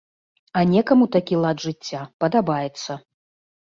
А некаму такі лад жыцця падабаецца.